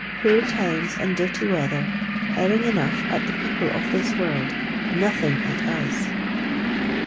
Poor times and dirty weather, herring enough at the people of this world, nothing at us!